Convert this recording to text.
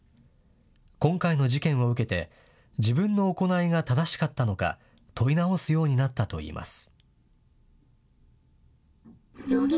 今回の事件を受けて、自分の行いが正しかったのか、問い直すようになったといいます。